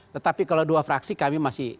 tetapi kalau dua fraksi kami masih